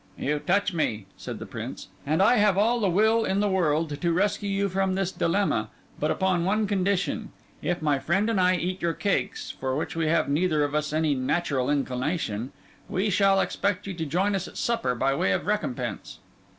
"You touch me," said the Prince, "and I have all the will in the world to rescue you from this dilemma, but upon one condition. If my friend and I eat your cakes—for which we have neither of us any natural inclination—we shall expect you to join us at supper by way of recompense."